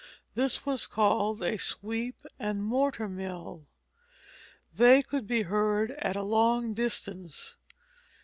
This was called a sweep and mortar mill. They could be heard at a long distance.